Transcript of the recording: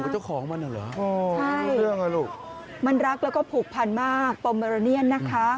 เห็นไหมครับใช่มันรักแล้วก็ผูกพันธ์มากโปรเมโรเนียนนะคะ